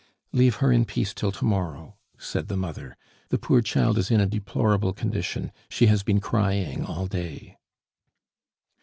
"Leave her in peace till to morrow," said the mother. "The poor child is in a deplorable condition; she has been crying all day."